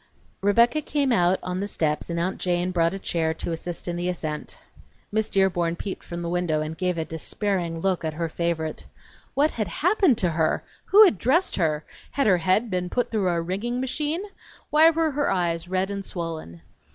Rebecca came out on the steps and Aunt Jane brought a chair to assist in the ascent. Miss Dearborn peeped from the window, and gave a despairing look at her favorite. What had happened to her? Who had dressed her? Had her head been put through a wringing machine? Why were her eyes red and swollen?